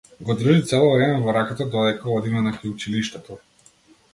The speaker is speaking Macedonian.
Го држи цело време во раката додека одиме накај училиштето.